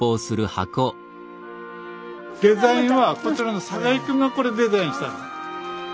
デザインはこちらの栄くんがこれデザインしたの。